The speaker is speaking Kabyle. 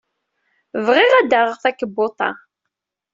Bɣiɣ ad d-aɣaɣ takebbuḍt-a.